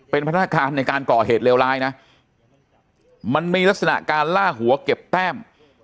เป็นพนักการในการก่อเหตุเลวร้ายนะมันมีลักษณะการล่าหัวเก็บแต้ม